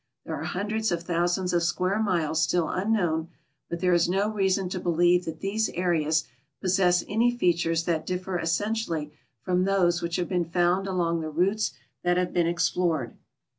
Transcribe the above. There are hundreds of thousands of square miles still unknown, but there is no reason to believe that these areas possess any features that differ essentially from those which have been found along the routes that have been explored.